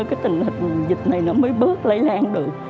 cái tình hình dịch này nó mới bước lây lan được